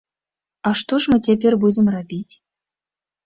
А што ж мы цяпер будзем рабіць?